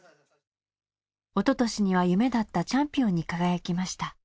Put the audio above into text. おととしには夢だったチャンピオンに輝きました。